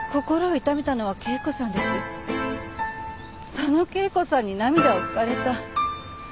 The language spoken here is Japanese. その圭子さんに涙を拭かれた。